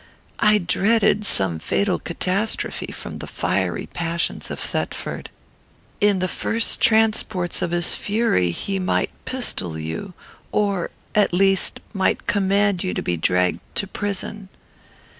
I dreaded some fatal catastrophe from the fiery passions of Thetford. In the first transports of his fury he might pistol you, or, at least, might command you to be dragged to prison.